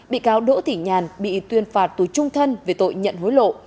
bị cáo đỗ thỉ nhàn bị tuyên phạt tù trung thân về tội nhận hối lộ